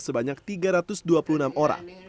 sebanyak tiga ratus dua puluh enam orang